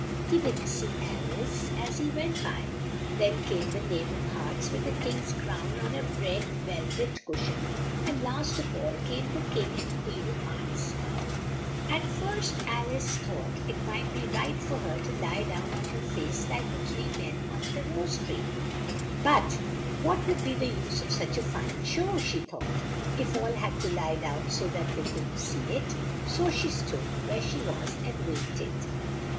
He didn't see Al ice as he went by. Then came the Knave of Hearts with the King's crown on a red vel vet cush ion; and last of all came The King and Queen of Hearts. At first Al ice thought it might be right for her to lie down on her face like the three men at the rose tree, "but what would be the use of such a fine show," she thought, "if all had to lie down so that they couldn't see it?" So she stood where she was and wait ed.